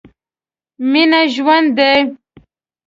مينه ژوند دی.